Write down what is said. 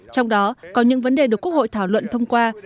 trong đó có những vấn đề được quốc hội thảo luận thông qua